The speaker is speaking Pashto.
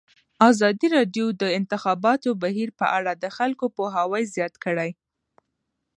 ازادي راډیو د د انتخاباتو بهیر په اړه د خلکو پوهاوی زیات کړی.